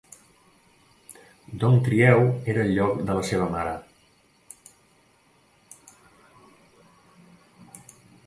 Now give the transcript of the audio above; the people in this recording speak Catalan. Dong Trieu era el lloc de la seva mare.